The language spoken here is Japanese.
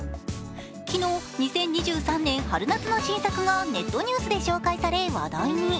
昨日、２０２３年春夏の新作がネットニュースで紹介され話題に。